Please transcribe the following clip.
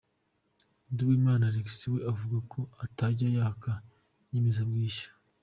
Nduwimana Alex we avuga ko atajya yaka inyemezabwishyu.